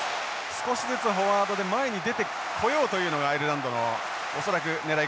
少しずつフォワードで前に出てこようというのがアイルランドの恐らくねらいかと思われます。